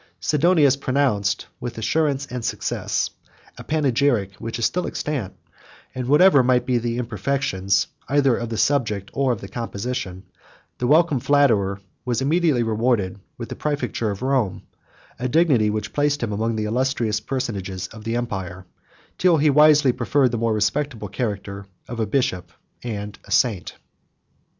Sidonius pronounced, with assurance and success, a panegyric which is still extant; and whatever might be the imperfections, either of the subject or of the composition, the welcome flatterer was immediately rewarded with the præfecture of Rome; a dignity which placed him among the illustrious personages of the empire, till he wisely preferred the more respectable character of a bishop and a saint.